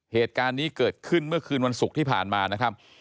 เหตุการณ์นี้เกิดขึ้นเมื่อคืนวันศุกร์ที่ผ่านมานะครับ